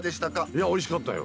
いやおいしかったよ。